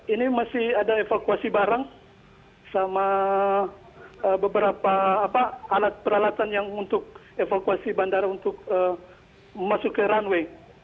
ini masih ada evakuasi barang sama beberapa alat peralatan yang untuk evakuasi bandara untuk masuk ke runway